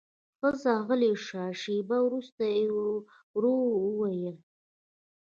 ښځه غلې شوه، شېبه وروسته يې ورو وويل: